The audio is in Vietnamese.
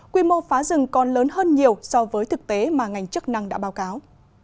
quy mô phá rừng còn lớn hơn nhiều so với thực tế mà ngành chức năng đã báo cáo